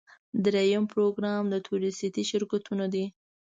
دریم پروګرام د تورېستي شرکتونو دی.